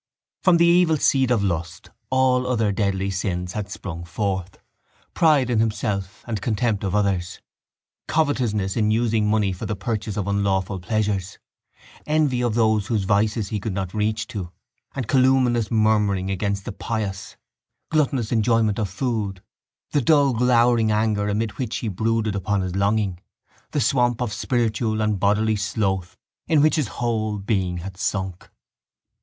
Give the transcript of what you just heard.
From the evil seed of lust all other deadly sins had sprung forth: pride in himself and contempt of others, covetousness in using money for the purchase of unlawful pleasures, envy of those whose vices he could not reach to and calumnious murmuring against the pious, gluttonous enjoyment of food, the dull glowering anger amid which he brooded upon his longing, the swamp of spiritual and bodily sloth in which his whole being had sunk.